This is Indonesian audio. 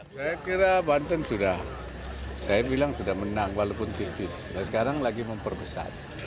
saya kira banten sudah saya bilang sudah menang walaupun tipis dan sekarang lagi memperbesar